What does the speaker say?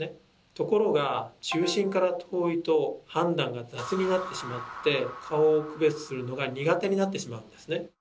ところが中心から遠いと判断が雑になってしまって顔を区別するのが苦手になってしまうんですね。